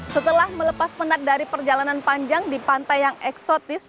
setelah melepas penat dari perjalanan panjang di pantai yang eksotis